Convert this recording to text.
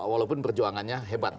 walaupun perjuangannya hebat